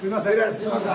すいません。